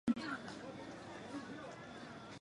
格朗代尔布吕克。